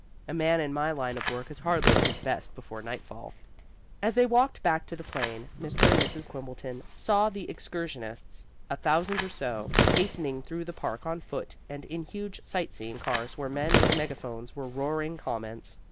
A man in my line of work is hardly at his best before nightfall." As they walked back to the plane, Mr. and Mrs. Quimbleton saw the excursionists, a thousand or so, hastening through the park on foot and in huge sight seeing cars where men with megaphones were roaring comments.